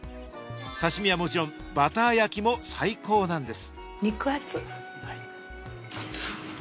刺身はもちろんバター焼きも最高なんです